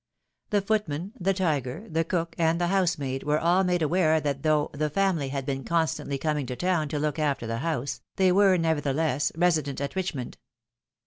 The footman, the tiger, the cook, and the housemaid, were all made aware that though "the family " had been constantly coming to town to look after the house, they were, nevertheless, resident at Richmond.